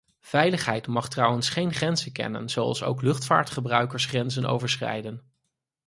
Veiligheid mag trouwens geen grenzen kennen zoals ook luchtvaartgebruikers grenzen overschrijden.